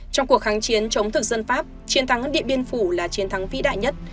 trong cuộc kháng chiến chống thực dân pháp chiến thắng điện biên phủ là chiến thắng vĩ đại nhất